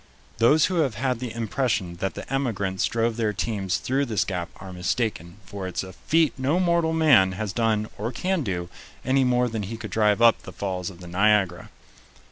Those who have had the impression that the emigrants drove their teams through this gap are mistaken, for it's a feat no mortal man has done or can do, any more than he could drive up the falls of the Niagara.